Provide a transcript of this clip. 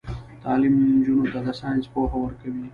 تعلیم نجونو ته د ساينس پوهه ورکوي.